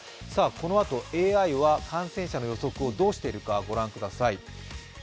このあとＡＩは感染者の予想どうしているか、ご覧ください。